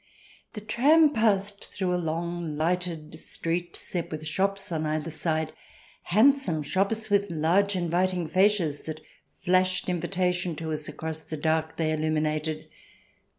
The tram passed through a long lighted street, set with shops on either side — handsome shops with large inviting facias that flashed invitation to us across the dark they illuminated.